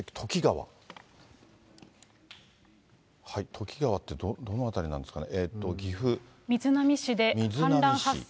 土岐川ってどの辺りなんですかね。